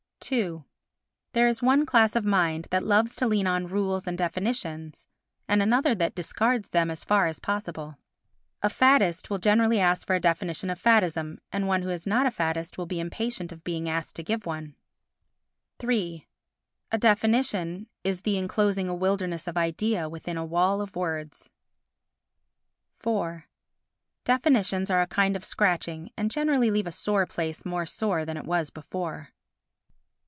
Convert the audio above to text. ii There is one class of mind that loves to lean on rules and definitions, and another that discards them as far as possible. A faddist will generally ask for a definition of faddism, and one who is not a faddist will be impatient of being asked to give one. iii A definition is the enclosing a wilderness of idea within a wall of words. iv Definitions are a kind of scratching and generally leave a sore place more sore than it was before.